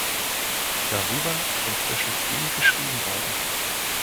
Darüber ist inzwischen viel geschrieben worden.